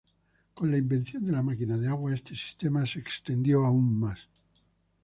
Con la invención de la máquina de agua este sistema se extendió todavía más.